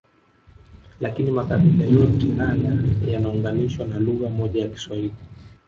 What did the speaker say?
Lakini makabila yote haya yanaunganishwa na lugha moja ya Kiswahili